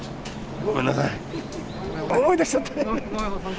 ごめんなさい。